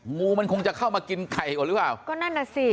งูมันคงจะเข้ามากินไก่ก่อนหรือเปล่าก็นั่นน่ะสิ